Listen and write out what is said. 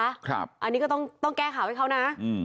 อันนี้ก็ต้องแก้ข่าวให้เขานะ